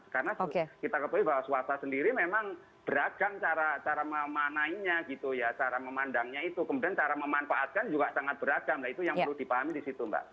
karena kita kebetulan bahwa swasta sendiri memang beragam cara memanainya gitu ya cara memandangnya itu kemudian cara memanfaatkan juga sangat beragam lah itu yang perlu dipahami disitu mbak